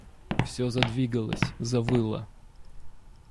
Все задвигалось, завыло;